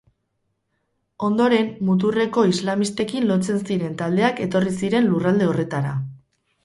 Ondoren, muturreko islamistekin lotzen ziren taldeak etorri ziren lurralde horretara.